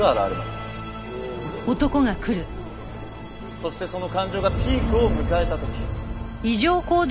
そしてその感情がピークを迎えた時。